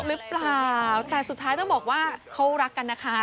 หรือเปล่าแต่สุดท้ายต้องบอกว่าเขารักกันนะคะ